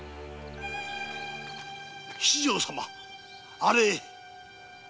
七条様あれへ。